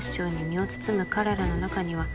「身を包む彼らの中には」